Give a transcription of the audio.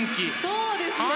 そうですね。